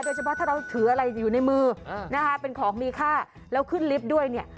เฉพาะถ้าเราถืออะไรอยู่ในมือนะคะเป็นของมีค่าแล้วขึ้นลิฟต์ด้วยเนี่ย